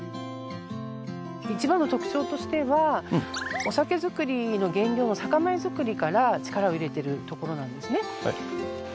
いちばんの特徴としてはお酒作りの原料の酒米作りから力を入れているところなんですね。